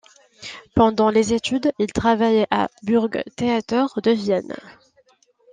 Pendant les études il travailla au Burgtheater de Vienne.